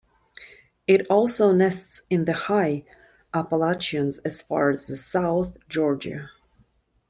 It also nests in the high Appalachians as far south as Georgia.